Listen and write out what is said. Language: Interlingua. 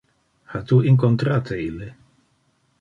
Ha tu incontrate ille?